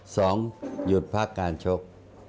หยุดพักการชก